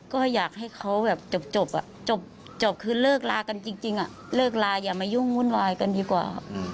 ก็อยากให้เขาแบบจบจบคือเลิกลากันจริงเลิกลาอย่ามายุ่งวุ่นวายกันดีกว่า